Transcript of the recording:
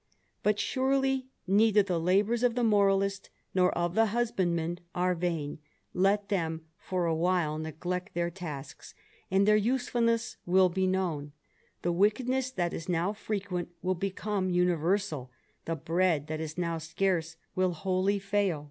But, surely, neither the labours of the moralist nor of the husbandman are vain; let them for a while neglect their tasks, and their usefulness will be known ; the wickedness that is now frequent would become universal, the bread that is now scarce would wholly fail.